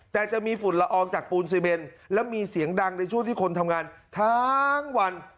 แต่จะมีฝุ่นละอองจากปูนซีเมนแล้วมีเสียงดังในช่วงที่คนทำงานทั้งวัน